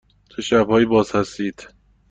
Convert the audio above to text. چه شب هایی باز هستید؟